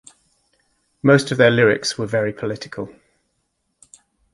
Most of their lyrics were very political.